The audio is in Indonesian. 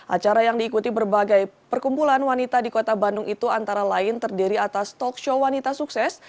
acara yang diikuti berbagai perkumpulan wanita di kota bandung itu antara lain terdiri atas talk show wanita sukses